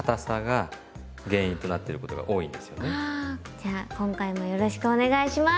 じゃあ今回もよろしくお願いします。